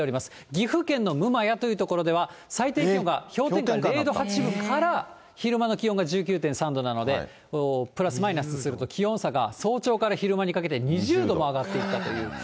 岐阜県の六厩という所では、最低気温が氷点下０度８分から昼間の気温が１９．３度なので、プラスマイナスすると、気温差が早朝から昼間にかけて２０度も上がっていったという。